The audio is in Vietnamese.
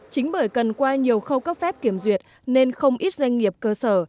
chính bởi cần qua nhiều khâu cấp phép kiểm duyệt nên không ít doanh nghiệp cơ sở